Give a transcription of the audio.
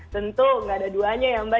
tentu nggak ada duanya ya mbak